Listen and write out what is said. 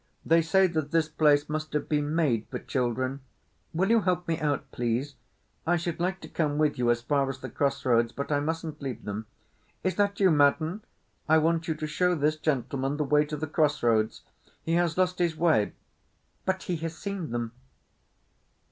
They say that this place must have been made for children. Will you help me out, please? I should like to come with you as far as the cross roads, but I mustn't leave them. Is that you, Madden? I want you to show this gentleman the way to the cross roads. He has lost his way but—he has seen them."